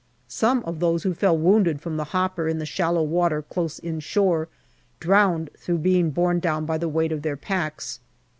Some of those who fell wounded from the hopper in the shallow water close inshore drowned through being borne down by the weight of their packs.